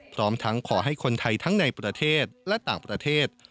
พร้อมทั้งขอให้คนไทยทั้งในประเทศและต่างประเทศ